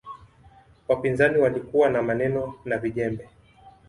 wapinzani walikuwa na maneno na vijembe